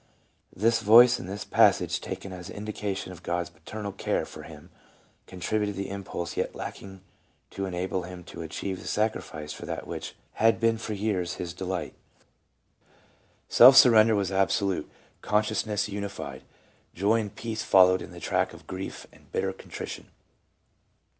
This voice and this passage, taken as indication of God's paternal care for him, contributed the impulse yet lacking to enable him to achieve the sacrifice of that which had been for years his de light. Self surrender was absolute; consciousness unified; joy and peace followed in the track of grief and bitter contrition.